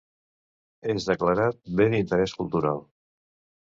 És declarat Bé d'Interès Cultural.